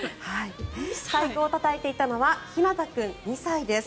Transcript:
太鼓をたたいていたのはひなた君、２歳です。